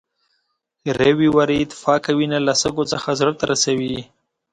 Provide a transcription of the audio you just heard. ریوي ورید پاکه وینه له سږو څخه زړه ته رسوي.